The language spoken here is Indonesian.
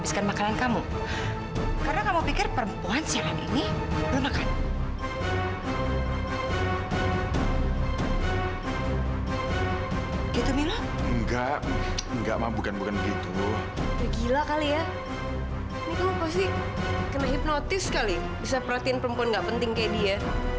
sampai jumpa di video selanjutnya